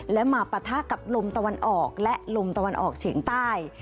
และมาปะทะกับลมตะวันออกและลมตะวันออกเฉียงใต้